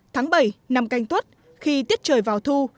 tháng bảy năm canh tuất khi tiết trời vào thu